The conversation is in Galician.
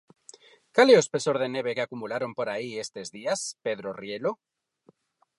Cal é o espesor de neve que acumularon por aí estes días, Pedro Rielo?